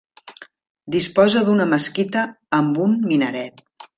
Disposa d'una mesquita amb un minaret.